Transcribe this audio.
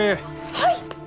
はい！